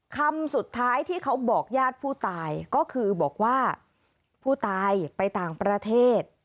คำสุดท้ายที่เขาบอกญาติผู้ตายก็คือบอกว่าผู้ตายไปต่างประเทศ